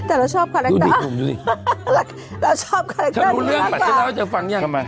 แต่เราชอบดูดิดูดิเราชอบช้าลืมเรื่องว่าเธอฟังยัง